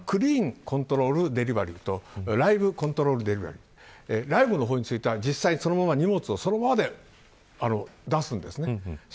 クリーンコントロールデリバリーとライブコントロールデリバリーライブは荷物をそのままで出すんです。